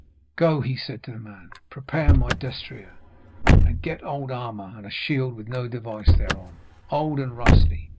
'Go,' he said to the man, 'prepare my destrier, and get old armour and a shield with no device thereon, old and rusty.